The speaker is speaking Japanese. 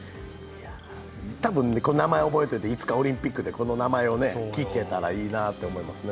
たぶん名前を覚えていると、いつかオリンピックでこの名前を聞けたらいいなと思いますね